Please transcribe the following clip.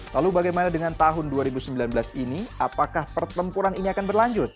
lalu bagaimana dengan tahun dua ribu sembilan belas ini apakah pertempuran ini akan berlanjut